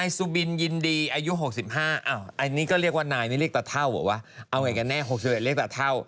อยู่หมู่๒นะแถวตำบลย่านชื่อ